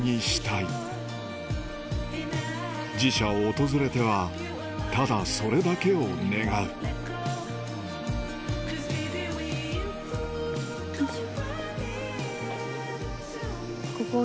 寺社を訪れてはただそれだけを願うよいしょ。